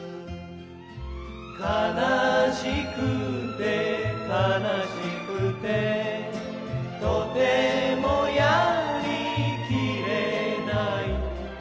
「悲しくて悲しくてとてもやりきれない」